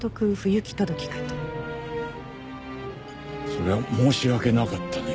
それは申し訳なかったね。